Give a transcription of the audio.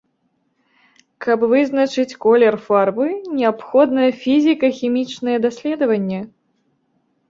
Каб вызначыць колер фарбы, неабходна фізіка-хімічнае даследаванне.